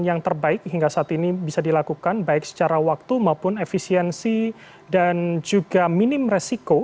yang terbaik hingga saat ini bisa dilakukan baik secara waktu maupun efisiensi dan juga minim resiko